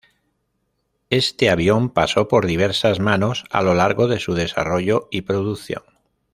Este avión pasó por diversas manos a lo largo de su desarrollo y producción.